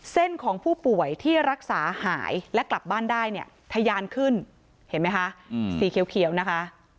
ของผู้ป่วยที่รักษาหายและกลับบ้านได้เนี่ยทะยานขึ้นเห็นไหมคะสีเขียวนะคะ